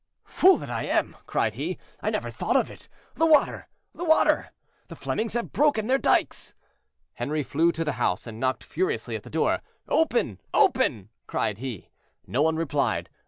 "Fool that I am," cried he, "I never thought of it. The water! the water! The Flemings have broken their dykes!" Henri flew to the house, and knocked furiously at the door. "Open! open!" cried he. No one replied.